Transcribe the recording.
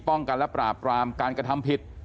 ป้องกันและปราบรามการกระทำผิด